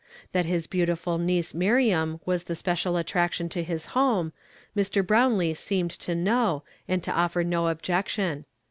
Tliat Ins heantiful niece Miriam was the special attraction to liis home, Mr. Browidee seemed to know, and tooffer noo))jection.